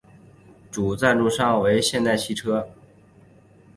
主赞助商为现代汽车。